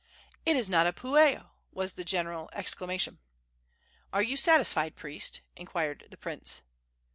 "It is not a pueo!" was the general exclamation. "Are you satisfied, priest?" inquired the prince.